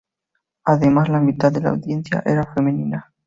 Además, la mitad de la audiencia era femenina.